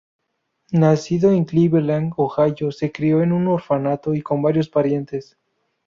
Nacido en Cleveland, Ohio, se crio en un orfanato y con varios parientes.